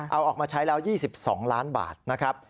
เอาออกมาใช้แล้ว๒๒ล้านบาทนะครับ